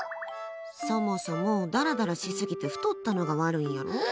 そもそも、ダラダラしすぎて太ったのが悪いんやろ？